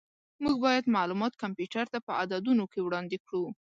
موږ باید معلومات کمپیوټر ته په عددونو کې وړاندې کړو.